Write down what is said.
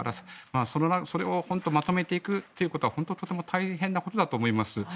それをまとめていくということは本当にとても大変なことだと思います。